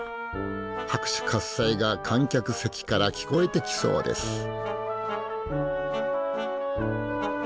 拍手喝采が観客席から聞こえてきそうです。